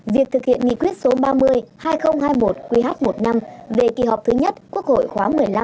việc thực hiện nghị quyết số ba mươi hai nghìn hai mươi một qh một năm về kỳ họp thứ nhất quốc hội khóa một mươi năm